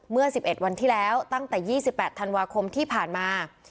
เมื่อ๑๑วันที่แล้วตั้งแต่๒๘ธันวาคมที่ผ่านมา